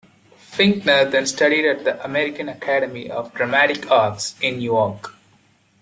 Fichtner then studied at the American Academy of Dramatic Arts in New York.